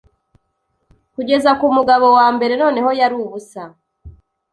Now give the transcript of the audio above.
kugeza kumugabo wambereNoneho yari ubusa